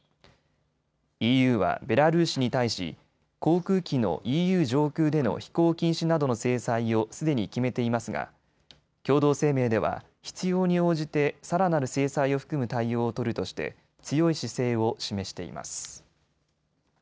ＥＵはベラルーシに対し航空機のＥＵ上空での飛行禁止などの制裁をすでに決めていますが、共同声明では必要に応じてさらなる制裁を含む対応を取るとして強い姿勢を示しています。